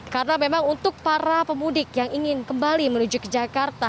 karena memang untuk para pemudik yang ingin kembali menuju ke jakarta